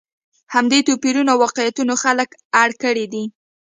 همدې توپیرونو او واقعیتونو خلک اړ کړي دي.